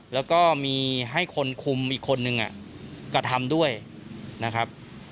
แล้วก็มีให้คนคุมอีกคนนึงกระทำด้วยนะครับ